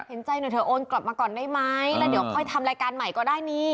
เห็นใจหน่อยเธอโอนกลับมาก่อนได้ไหมแล้วเดี๋ยวค่อยทำรายการใหม่ก็ได้นี่